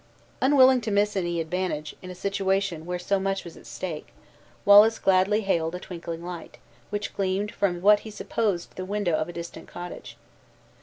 Unwilling to miss any advantage, in a situation where so much was at stake, Wallace gladly hailed a twinkling light, which gleamed from what he supposed the window of a distant cottage.